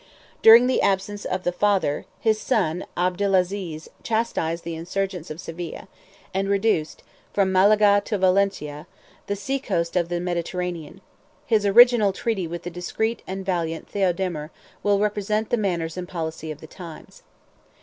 During the absence of the father, his son Abdelaziz chastised the insurgents of Seville, and reduced, from Malaga to Valentia, the sea coast of the Mediterranean: his original treaty with the discreet and valiant Theodemir 185 will represent the manners and policy of the times.